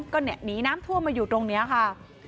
ก็หนีน้ำท่วมมาอยู่ตรงนี้ค่ะ